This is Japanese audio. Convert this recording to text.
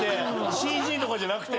ＣＧとかじゃなくて。